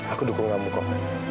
aku dukung kamu kok